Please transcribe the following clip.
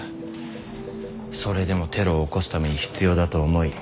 それでもテロを起こすために必要だと思い近づいた。